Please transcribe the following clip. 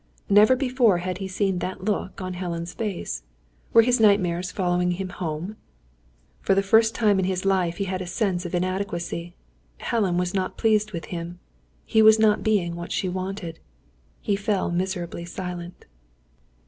Never before had he seen that look on Helen's face. Were his nightmares following him home? For the first time in his life he had a sense of inadequacy. Helen was not pleased with him. He was not being what she wanted. He fell miserably silent.